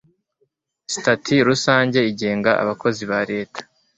sitati rusange igenga abakozi ba leta